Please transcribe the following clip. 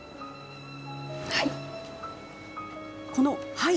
はい。